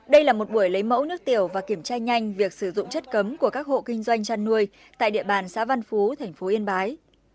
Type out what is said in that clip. đây là một buổi lấy mẫu nước tiểu và kiểm tra nhanh việc sử dụng chất cấm của các hộ kinh doanh chăn nuôi tại địa bàn xã văn phú tp yên bái